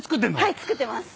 はい作ってます。